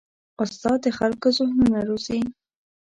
استاد د خلکو ذهنونه روزي.